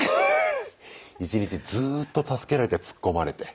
１日ずっと助けられてツッコまれて。